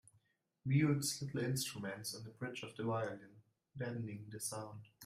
Mutes little instruments on the bridge of the violin, deadening the sound.